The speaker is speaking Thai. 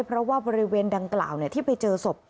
เพราะว่าบริเวณดังกล่าวที่ไปเจอศพ